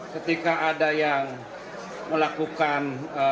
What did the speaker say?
ketika ada yang melakukan